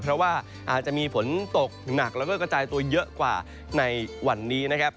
เพราะว่าอาจจะมีฝนตกหนักแล้วก็กระจายตัวเยอะกว่าในวันนี้นะครับ